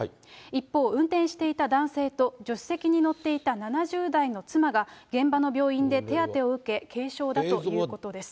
一方、運転していた男性と、助手席に乗っていた７０代の妻が、現場の病院で手当てを受け、軽傷だということです。